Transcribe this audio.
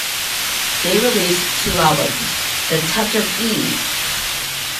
They released two albums: The Touch Of E!